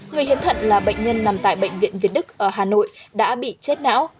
người hiến thận là bệnh nhân nằm tại bệnh viện việt đức ở hà nội đã bị chết não